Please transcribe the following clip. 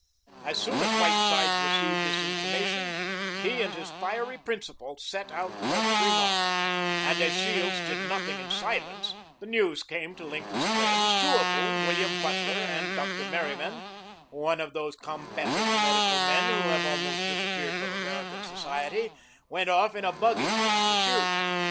As soon as Whitesides received this information, he and his fiery principal set out for Tremont, and as Shields did nothing in silence, the news came to Lincoln's friends, two of whom, William Butler and Dr. Merryman, one of those combative medical men who have almost disappeared from American society, went off in a buggy in pursuit.